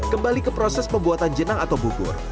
kembali ke proses pembuatan jenang atau bubur